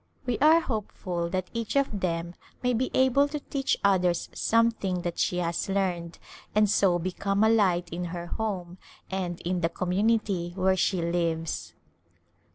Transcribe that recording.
We are hopeful that each of them may be able to teach others something that she has learned and so become a light in her home and in the community where she lives.